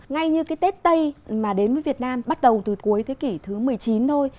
ngay như cái tết tây mà đến với việt nam bắt đầu từ cuối thế kỷ thứ một mươi chín thôi